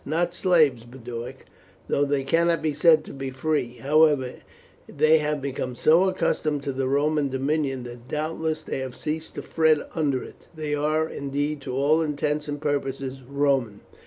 "Not slaves, Boduoc, though they cannot be said to be free; however, they have become so accustomed to the Roman dominion that doubtless they have ceased to fret under it; they are, indeed, to all intents and purposes Roman.